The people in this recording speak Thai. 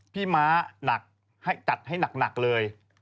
ม้าหนักจัดให้หนักเลย